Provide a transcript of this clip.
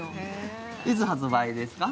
いつ発売ですか？